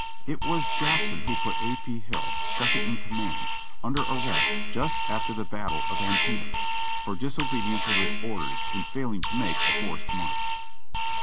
It was Jackson who put A. P. Hill, second in command, under arrest just after the battle of Antietam, for disobedience of his orders in failing to make a forced march.